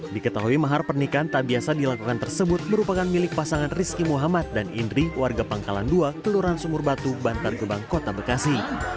diketahui mahar pernikahan tak biasa dilakukan tersebut merupakan milik pasangan rizky muhammad dan indri warga pangkalan ii kelurahan sumur batu bantar gebang kota bekasi